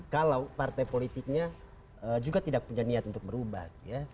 kalau partai politiknya juga tidak punya niat untuk berubah